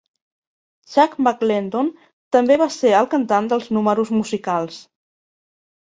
Chuck McLendon també va ser el cantant dels números musicals.